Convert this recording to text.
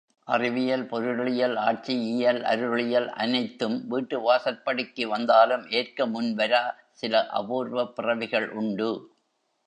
அறிவியல், பொருளியல், ஆட்சியியல், அருளியல் அனைத்தும் வீட்டு வாசற்படிக்கு வந்தாலும் ஏற்க முன்வரா சில அபூர்வப் பிறவிகள் உண்டு.